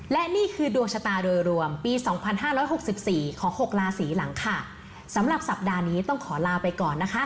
วันนี้คือดวงชะตาโดยรวมปี๒๕๖๔ของหกราศรีหลังค่ะสำหรับสัปดานี้ต้องขอลาไปก่อนนะคะ